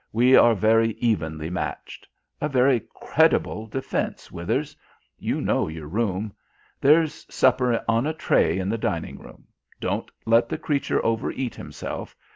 We are very evenly matched. A very creditable defence, Withers. You know your room. There's supper on a tray in the dining room. Don't let the creature over eat himself.